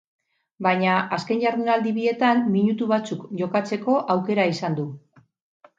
Baina, azken jardunaldi bietan minutu batzuk jokatzeko aukera izan du.